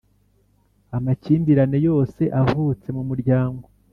amakimbirane yose avutse mu muryango